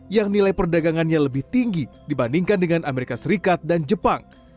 yang nilai perdagangannya lebih tinggi dibandingkan dengan amerika serikat dan jepang